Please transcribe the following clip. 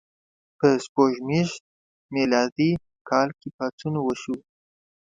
په سپوږمیز میلادي کال کې پاڅون وشو.